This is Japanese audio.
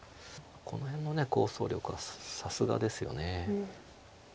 この辺の構想力はさすがですよね。